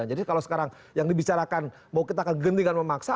jadi kalau sekarang yang dibicarakan mau kita kegendingan memaksa